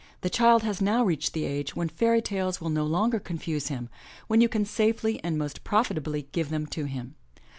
The child has now reached the age when fairy tales will no longer confuse him, when you can safely and most profitably give them to him.